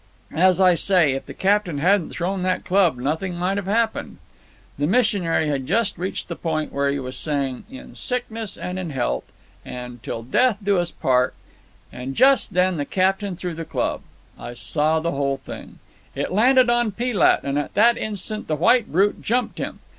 As I say, if the captain hadn't thrown that club, nothing might have happened. "The missionary had just reached the point where he was saying 'In sickness and in health,' and 'Till death us do part.' And just then the captain threw the club. I saw the whole thing. It landed on Pee lat, and at that instant the white brute jumped him.